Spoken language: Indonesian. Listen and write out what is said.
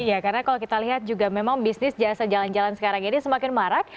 ya karena kalau kita lihat juga memang bisnis jasa jalan jalan sekarang ini semakin marak